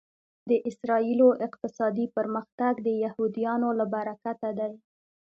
د اسرایلو اقتصادي پرمختګ د یهودیانو له برکته دی